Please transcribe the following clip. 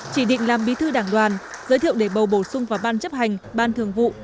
chỉ định làm bí thư đảng đoàn giới thiệu để bầu bổ sung vào ban chấp hành ban thường vụ